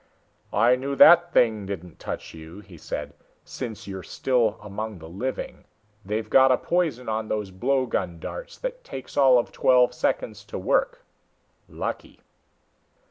"I knew that thing didn't touch you," he said, "since you are still among the living. They've got a poison on those blowgun darts that takes all of twelve seconds to work. Lucky."